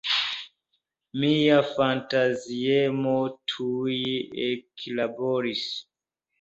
Mia fantaziemo tuj eklaboris.